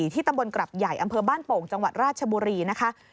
ที่ตำบลกรับใหญ่อำเภอบ้านโป่งจังหวัดราชบุรีนะคะ